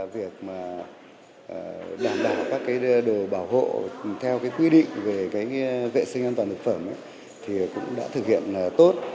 việc đảm bảo các đồ bảo hộ theo quy định về vệ sinh an toàn thực phẩm thì cũng đã thực hiện tốt